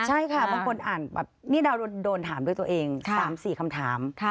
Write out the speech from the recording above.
ใช่ค่ะบางคนอ่านแบบนี่ดาวโดนถามด้วยตัวเอง๓๔คำถาม